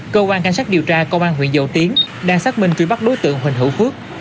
cơ quan cảnh sát điều tra công an huyện dầu tiến đang xác minh truy bắt đối tượng huỳnh hữu phước